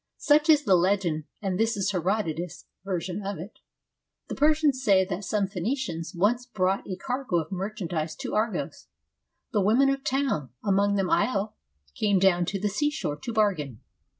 Such is the legend, and this is Herodotus' version of it: The Persians say that some Phoenicians once brought a cargo of merchandise to Argos. The women of the town, among them Io, came down to the seashore to bargain.